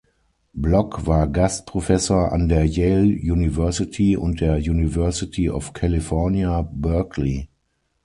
Blok war Gastprofessor an der Yale University und der University of California, Berkeley.